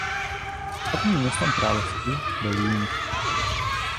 Hlavním městem království byl Jing.